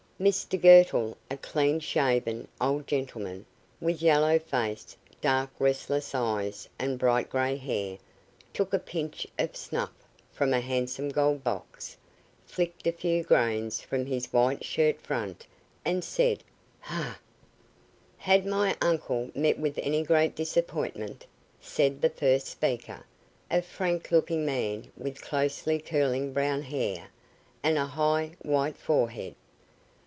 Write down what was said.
Mr Girtle, a clean shaven old gentleman, with yellow face, dark, restless eyes and bright grey hair, took a pinch of snuff from a handsome gold box, flicked a few grains from his white shirt front, and said "Hah." "Had my uncle met with any great disappointment?" said the first speaker, a frank looking man with closely curling brown hair, and a high, white forehead.